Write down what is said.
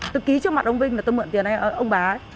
tôi ký trước mặt ông vinh là tôi mượn tiền là ông bà ấy